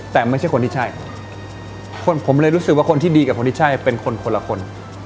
แต่ไม่ใช่คนที่ใช่คนผมเลยรู้สึกว่าคนที่ดีกับคนที่ใช่เป็นคนคนละคน